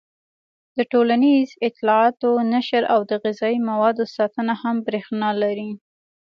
د ټولنیزو اطلاعاتو نشر او د غذايي موادو ساتنه هم برېښنا لري.